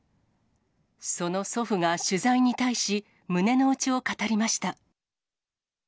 その祖父が取材に対し、胸の内を語りました。